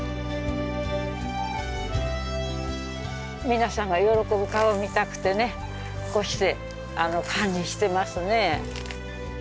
皆さんの喜ぶ顔が見たくてこうして管理してますね。